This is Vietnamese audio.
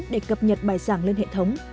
để cập nhật bài giảng lên hệ thống